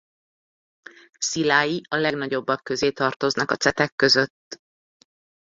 Szilái a legnagyobbak közé tartoznak a cetek között.